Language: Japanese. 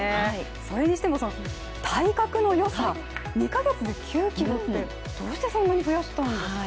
それにしても体格の良さ、２か月で９ｋｇってどうしてそんなに増やせたんですかね。